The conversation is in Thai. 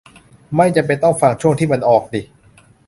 ไม่จำเป็นต้องฟังช่วงที่มันออกดิ